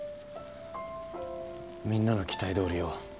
みんなの期待どおりよ